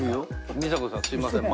美佐子さんすみません前から。